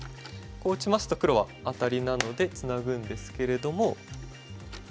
こう打ちますと黒はアタリなのでツナぐんですけれども。